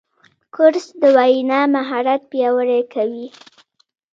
کورس د وینا مهارت پیاوړی کوي.